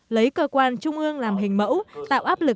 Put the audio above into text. lấy cơ quan trung ương làm hình mẫu tạo áp lực với cấp dưới